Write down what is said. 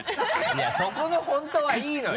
いやそこの本当はいいのよ！